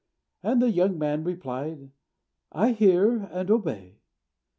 And the young man replied, "I hear and obey."